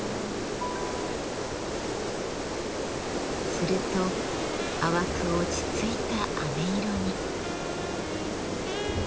すると淡く落ち着いたあめ色に。